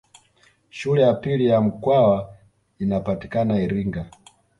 Shule ya pili ya Mkwawa inapatikana Iringa